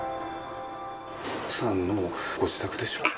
ユウトさんのご自宅でしょうか。